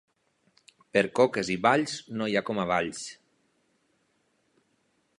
Per coques i balls no hi ha com a Valls.